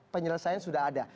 penyelesaian sudah ada